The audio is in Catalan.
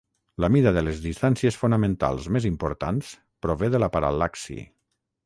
La mida de les distàncies fonamentals més importants prové de la paral·laxi.